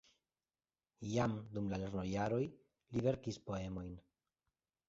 Jam dum la lernojaroj li verkis poemojn.